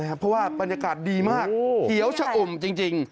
เพราะว่าบรรยากาศดีมากเขียวชะอุ่มจริง